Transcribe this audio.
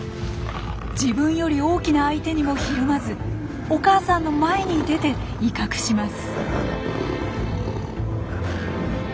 自分より大きな相手にもひるまずお母さんの前に出て威嚇します。